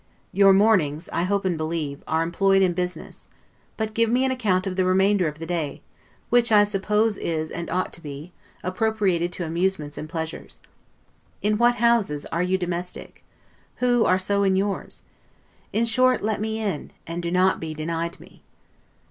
Your mornings, I hope and believe, are employed in business; but give me an account of the remainder of the day, which I suppose is, and ought to be, appropriated to amusements and pleasures. In what houses are you domestic? Who are so in yours? In short, let me in, and do not be denied to me.